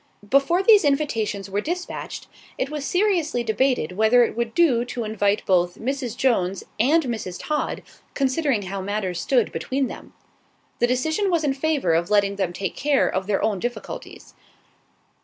Before these invitations were despatched, it was seriously debated whether it would do to invite both Mrs. Jones and Mrs. Todd, considering how matters stood between them. The decision was in favour of letting them take care of their own difficulties.